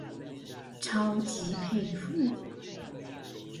超級佩服